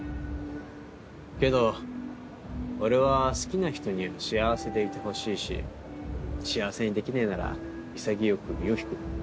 けど俺は好きな人には幸せでいてほしいし幸せにできねえなら潔く身を引く。